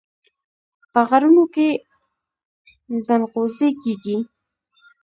په غرونو کې ځنغوزي کیږي.